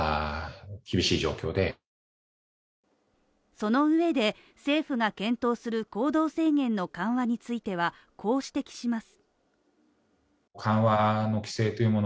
その上で政府が検討する行動制限の緩和についてはこう指摘します